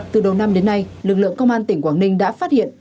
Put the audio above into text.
từ đầu năm đến nay lực lượng công an tỉnh quảng ninh đã phát hiện